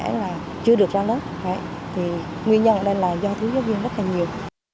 nghĩa là chưa được ra lớp nguyên nhân là do thiếu giáo viên rất nhiều